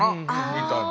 みたいな。